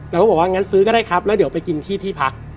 เราก็บอกว่างั้นซื้อก็ได้ครับแล้วเดี๋ยวไปกินที่ที่พัก